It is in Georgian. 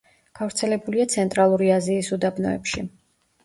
გავრცელებულია ცენტრალური აზიის უდაბნოებში.